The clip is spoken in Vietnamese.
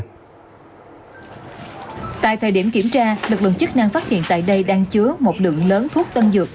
tại thời điểm kiểm tra lực lượng chức năng phát hiện tại đây đang chứa một lượng lớn thuốc tân dược